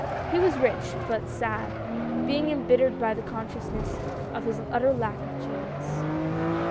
He was rich, but sad, being embittered by the consciousness of his utter lack of genius.